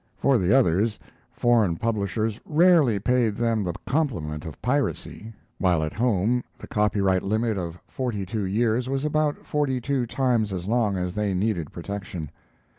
For the others, foreign publishers rarely paid them the compliment of piracy, while at home the copyright limit of forty two years was about forty two times as long as they needed protection.